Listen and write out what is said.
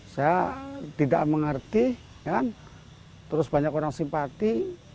saya tidak mengerti terus banyak orang simpati